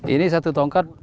ini satu tongkat